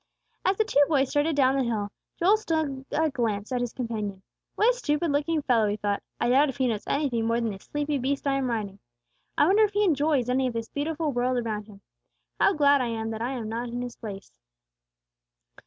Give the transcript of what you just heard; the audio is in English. As the two boys started down the hill, Joel stole a glance at his companion. "What a stupid looking fellow!" he thought; "I doubt if he knows anything more than this sleepy beast I am riding. I wonder if he enjoys any of this beautiful world around him. How glad I am that I am not in his place."